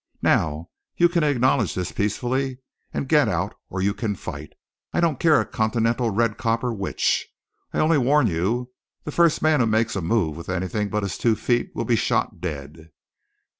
Now you can acknowledge this peacefully and get out, or you can fight. I don't care a continental red copper which. Only I warn you, the first man who makes a move with anything but his two feet will be shot dead."